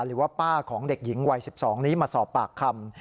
หรือว่าป้าของเด็กหญิงวัย๑๒นี้มาสอบปากคำ